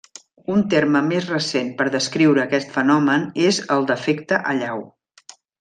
Un terme més recent per descriure aquest fenomen és el d'efecte allau.